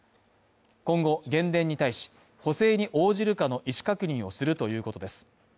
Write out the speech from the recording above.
今後、原電に対し、補正に応じるかの意思確認をするということです。